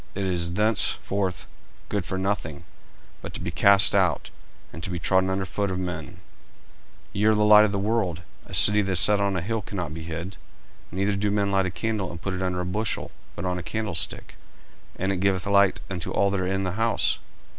it is thenceforth good for nothing, but to be cast out, and to be trodden under foot of men. 40:005:014 Ye are the light of the world. A city that is set on an hill cannot be hid. 40:005:015 Neither do men light a candle, and put it under a bushel, but on a candlestick; and it giveth light unto all that are in the house.